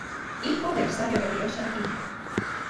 Hijo del "Sabio Rovirosa" Ing.